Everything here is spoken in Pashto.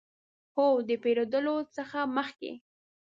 هو، د پیرودلو څخه مخکې